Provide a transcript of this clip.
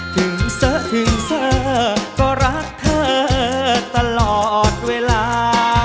ถึงเซอร์ถึงเซอร์ก็รักเธอตลอดเวลา